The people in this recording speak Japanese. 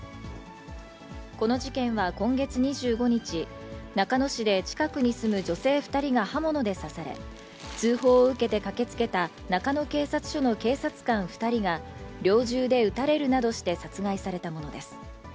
この事件は今月２５日、中野市で近くに住む女性２人が刃物で刺され、通報を受けて駆けつけた、中野警察署の警察官２人が猟銃で撃たれるなどして殺害されたものです。